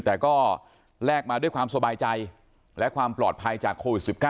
แต่ก็แลกมาด้วยความสบายใจและความปลอดภัยจากโควิด๑๙